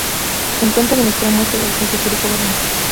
Se encuentra en el extremo este del centro histórico de Roma.